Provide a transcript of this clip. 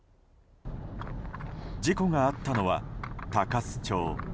事故があったのは鷹栖町。